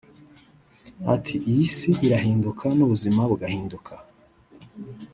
Ati “ Iyi si irahinduka n’ubuzima bugahinduka